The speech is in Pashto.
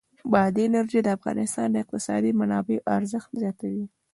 بادي انرژي د افغانستان د اقتصادي منابعو ارزښت زیاتوي.